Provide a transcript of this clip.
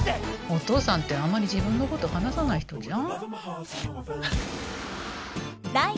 お父さんってあんまり自分のこと話さない人じゃん。